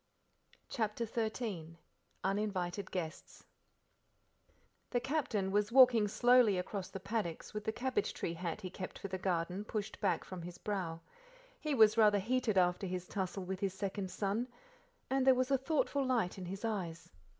CHAPTER XIII Uninvited Guests The captain was walking slowly across the paddocks with the cabbage tree hat he kept for the garden pushed back from his brow. He was rather heated after his tussle with his second son, and there was a thoughtful light in his eyes.